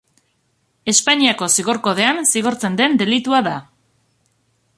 Espainiako Zigor Kodean zigortzen den delitua da.